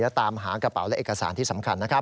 และตามหากระเป๋าและเอกสารที่สำคัญนะครับ